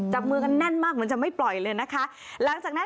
จับมือกันแน่นมากเหมือนจะไม่ปล่อยเลยนะคะ